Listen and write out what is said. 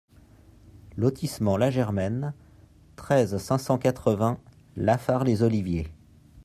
Lotissement la Germaine, treize, cinq cent quatre-vingts La Fare-les-Oliviers